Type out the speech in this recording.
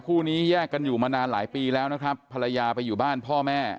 คู่นี้แยกกันอยู่มานานหลายปีแล้วนะครับภรรยาไปอยู่บ้านพ่อแม่